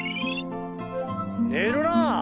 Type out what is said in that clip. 寝るな！